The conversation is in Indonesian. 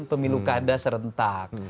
pemilu kandas rentak